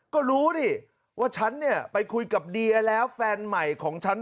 ก็รู้ดิว่าฉันเนี่ยไปคุยกับเดียแล้วแฟนใหม่ของฉัน